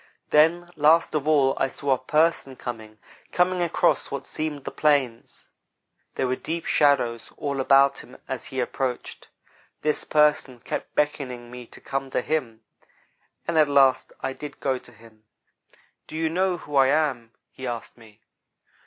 Then, last of all, I saw a 'person' coming coming across what seemed the plains. There were deep shadows all about him as he approached. This 'person' kept beckoning me to come to him, and at last I did go to him. "'Do you know who I am,' he asked me.